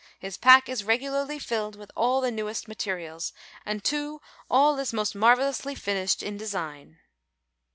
His pack is regularly filled with all the newest materials and, too, all is most marvellously finished in design.